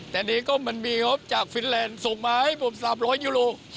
แต่นี่ก็มันมีงบจากฟินแลนด์ส่งมาให้ผม๓๐๐ยูโร